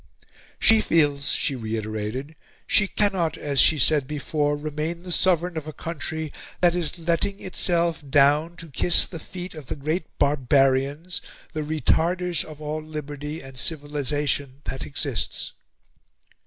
"She feels," she reiterated, "she cannot, as she before said, remain the Sovereign of a country that is letting itself down to kiss the feet of the great barbarians, the retarders of all liberty and civilisation that exists."